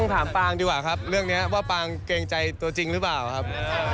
ถามปางดีกว่าครับเรื่องนี้ว่าปางเกรงใจตัวจริงหรือเปล่าครับ